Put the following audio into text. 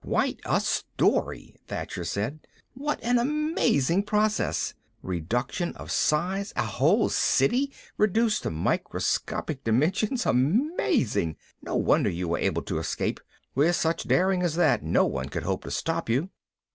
"Quite a story," Thacher said. "What an amazing process, reduction of size A whole City reduced to microscopic dimensions. Amazing. No wonder you were able to escape. With such daring as that, no one could hope to stop you."